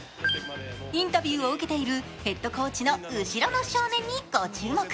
インタビューを受けている、ヘッドコーチの後ろの少年にご注目。